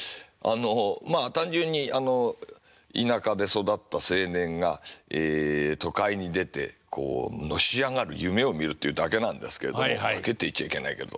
まあ単純に田舎で育った青年が都会に出てこうのし上がる夢を見るっていうだけなんですけれども。だけって言っちゃいけないけど。